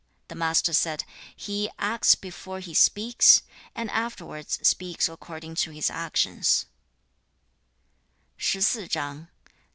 The Master said, 'He acts before he speaks, and afterwards speaks according to his actions.'